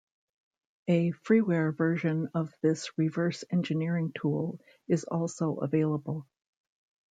A freeware version of this reverse engineering tool is also available.